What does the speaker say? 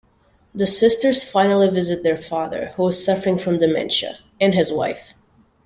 The sisters finally visit their father, who is suffering from dementia, and his wife.